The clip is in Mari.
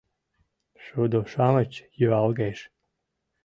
Шудо-шамыч юалгеш